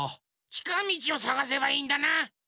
ちかみちをさがせばいいんだな。